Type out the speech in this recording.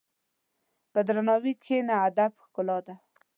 په درناوي کښېنه، ادب ښکلا ده.